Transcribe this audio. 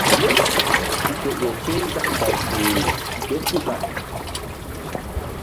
Ke ƴo su̧ nzak gay kpuhri késíɓa.